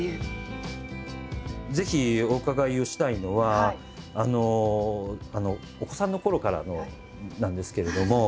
ぜひお伺いをしたいのはお子さんのころからのなんですけれども。